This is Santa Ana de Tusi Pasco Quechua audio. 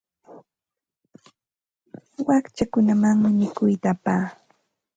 Wakchakunamanmi mikuyta apaa.